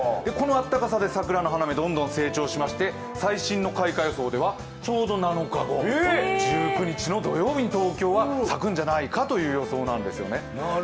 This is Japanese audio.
この暖かさで桜の花見がどんどん進みまして最新の開花予想ではちょうど７日後１９日の土曜日に東京は咲くんじゃないかという予想なんですよね。